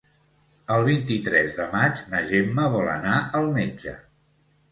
El vint-i-tres de maig na Gemma vol anar al metge.